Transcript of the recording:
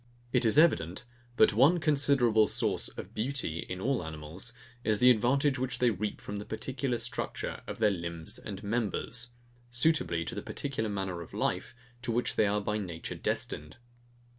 It is evident, that one considerable source of BEAUTY in all animals is the advantage which they reap from the particular structure of their limbs and members, suitably to the particular manner of life, to which they are by nature destined.